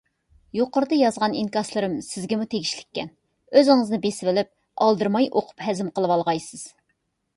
يۇقىرىدا يازغان ئىنكاسلىرىم سىزگىمۇ تېگىشلىككەن. ئۆزىڭىزنى بېسىۋېلىپ ئالدىرماي ئوقۇپ ھەزىم قىلىۋالغايسىز.